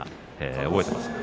覚えてますか？